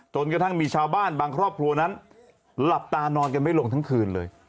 จนกระทั่งมีชาวบ้านบางครอบครัวนั้นหลับตานอนกันไม่ลงทั้งคืนเลย